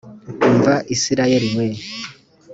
umva isirayeli we!